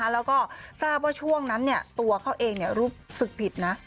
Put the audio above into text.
แล้วก็ทราบว่าช่วงนั้นตัวเขาเองรู้สึกผิดนะ